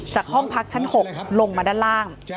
ห้องพักชั้น๖ลงมาด้านล่าง